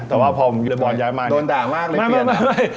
แต่ว่าพอเรียบร้อยย้ายมาโดนด่ามากเลยไม่ไม่ไม่ไม่